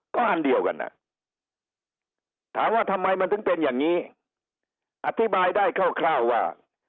ก็อันเดียวกันอ่ะถามว่าทำไมมันถึงเป็นอย่างนี้อธิบายได้คร่าวว่า